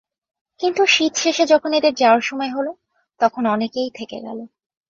কিন্তু শীত শেষে যখন এদের যাওয়ার সময় হলো, তখন অনেকেই থেকে গেল।